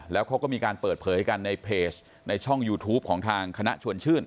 แล้วเขาก็มีการเปิดเผยกันในเพจในช่องยูทูปของทางคณะชวนชื่น